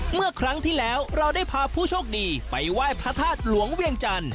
เมื่อครั้งที่แล้วเราได้พาผู้โชคดีไปไหว้พระธาตุหลวงเวียงจันทร์